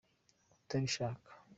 kutabishaka.